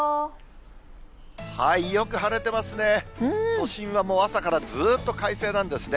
都心はもう朝からずっと快晴なんですね。